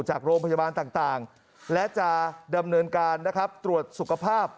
จากโรงพยาบาลต่างและจะดำเนินการนะครับตรวจสุขภาพ